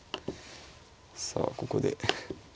さあここで。